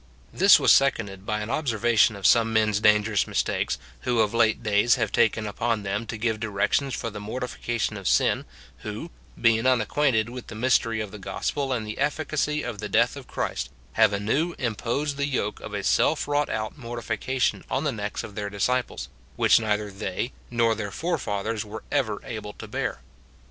This was seconded by an observation of some men's dangerous mistakes, who of late days have taken upon them to give directions for the mortification of sin, who, being unacquainted with the mystery of the gospel and the effi cacy of the death of Christ, have anew imposed the yoke of a self wrought out mortification on the necks of their disciples, which neither they nor their forefathers were ever able to bear.